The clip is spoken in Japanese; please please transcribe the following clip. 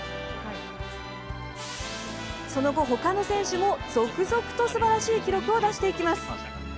その後、ほかの選手も続々とすばらしい記録を出していきます。